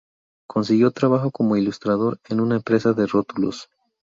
Consiguió trabajo como ilustrador en una empresa de rótulos.